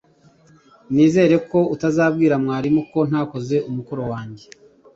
natekereje ko utazabwira mwarimu ko ntakoze umukoro wanjye